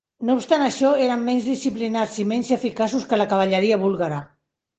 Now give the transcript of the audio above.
No obstant això, eren menys disciplinats i menys eficaços que la cavalleria búlgara.